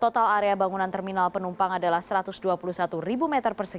total area bangunan terminal penumpang adalah satu ratus dua puluh satu meter